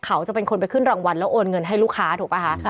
เขาจะเป็นคนไปขึ้นรางวัลแล้วโอนเงินให้ลูกค้าถูกป่ะคะ